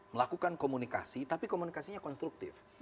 melakukan komunikasi tapi komunikasinya konstruktif